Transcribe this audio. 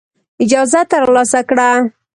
اجازه ترلاسه کړه.